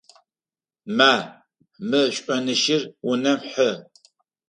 Ма, мы шӏонищыр унэм хьы!